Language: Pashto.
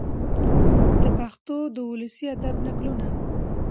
د پښتو د ولسي ادب نکلونه،